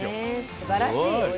すばらしい。